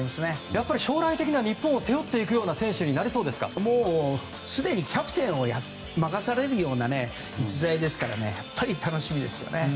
やっぱり将来的には日本を背負っていきそうな選手にすでにキャプテンを任されるような逸材ですからやっぱり楽しみですよね。